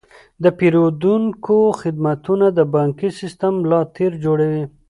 د پیرودونکو خدمتونه د بانکي سیستم ملا تیر جوړوي.